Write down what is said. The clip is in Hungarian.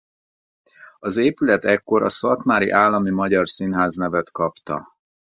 Az épület ekkor a szatmári Állami Magyar Színház nevet kapta.